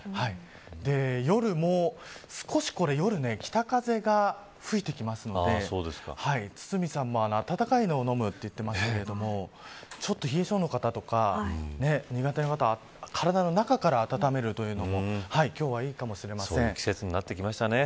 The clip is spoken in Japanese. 夜も、少しこれ夜北風が吹いてきますので堤さんも、温かいのを飲むと言っていましたけれどもちょっと冷え性の方とか苦手な方体の中から温めるというのもそういう季節になってきましたね。